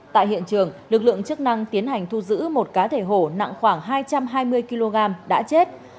tại hiện trường lực lượng chức năng tiến hành thu giữ một cá thể hổ nặng khoảng hai trăm hai mươi kg đã chết